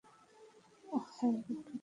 ওহ, হ্যাঁ, দুঃখিত।